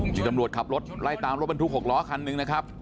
ที่ตำรวจขับรถไล่ตามรถบรรทุก๖ล้อคันหนึ่งนะครับ